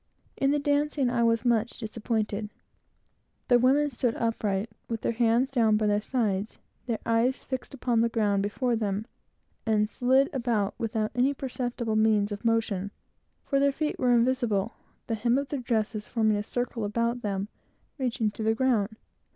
In the dancing, I was much disappointed. The women stood upright, with their hands down by their sides, their eyes fixed upon the ground before them, and slided about without any perceptible means of motion; for their feet were invisible, the hem of their dresses forming a perfect circle about them, reaching to the ground.